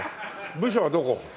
部署はどこ？